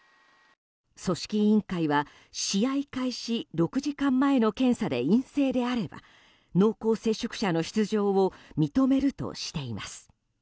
組織委員会は試合開始６時間前の検査で陰性であれば濃厚接触者の出場を認めるとしています。